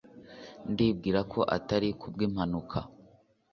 ndibwira ko atari ku bw'impanuka